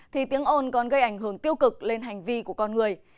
thì tiếng ồn còn gây ảnh hưởng tiêu cực lên hành vi của con người